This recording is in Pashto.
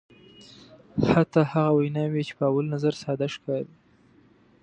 حتی هغه ویناوی چې په اول نظر ساده ښکاري.